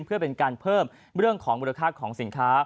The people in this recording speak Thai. เพื่อเป็นการเพิ่มเรื่องของมูลค่าของสินค้า